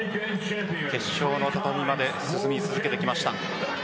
決勝の畳まで進み続けてきました。